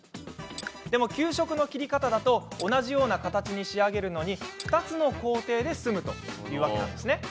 でも給食の切り方だと同じような形に仕上げるのに２つの工程で済むというわけなんですね。